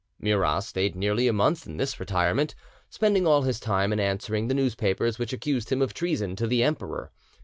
Murat stayed nearly a month in this retirement, spending all his time in answering the newspapers which accused him of treason to the Emperor.